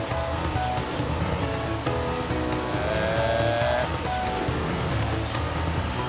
へえ！